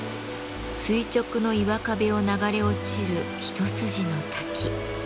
垂直の岩壁を流れ落ちる一筋の滝。